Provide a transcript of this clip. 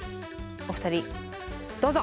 お二人どうぞ！